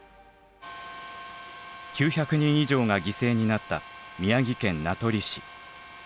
９００人以上が犠牲になった宮城県名取市。